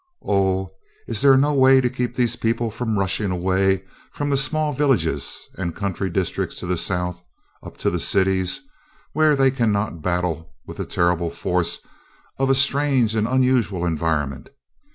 Oh, is there no way to keep these people from rushing away from the small villages and country districts of the South up to the cities, where they cannot battle with the terrible force of a strange and unusual environment?